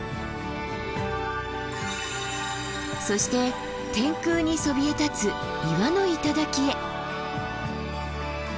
そして天空にそびえ立つ岩の頂へ。